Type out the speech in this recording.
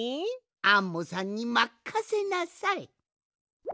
アンモさんにまっかせなさい！